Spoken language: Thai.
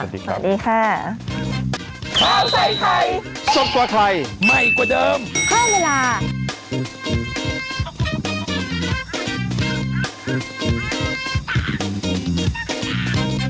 สวัสดีครับสวัสดีค่ะ